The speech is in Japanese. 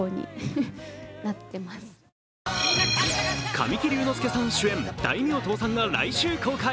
神木隆之介さん主演「大名倒産」が来週公開。